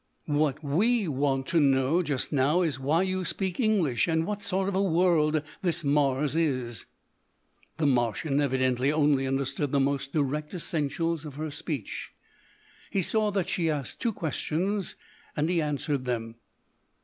"What we want to know just now is, why you speak English, and what sort of a world this Mars is?" The Martian evidently only understood the most direct essentials of her speech. He saw that she asked two questions, and he answered them.